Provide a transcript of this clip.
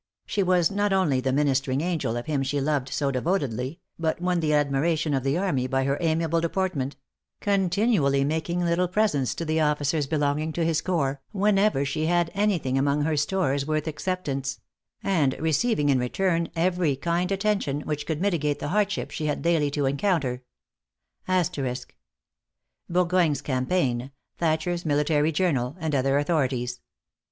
She was not only the ministering angel of him she loved so devotedly, but won the admiration of the army by her amiable deportment; continually making little presents to the officers belonging to his corps, whenever she had anything among her stores worth acceptance; and receiving in return every kind attention which could mitigate the hardships she had daily to encounter. Burgoyne's Campaign; Thatcher's Military Journal; and other authorities.